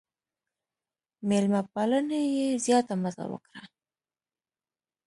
مېلمه پالنې یې زیاته مزه وکړه.